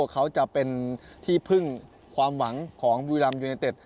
เขาจะเป็นที่พึ่งความหวังของบุรีรัมยูเนเต็ด